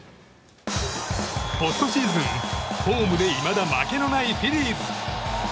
ポストシーズン、ホームでいまだ負けのないフィリーズ。